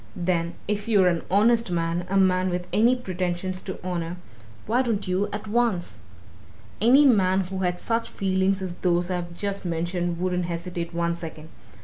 Then, if you're an honest man, a man with any pretensions to honour, why don't you at once! Any man who had such feelings as those I've just mentioned wouldn't hesitate one second.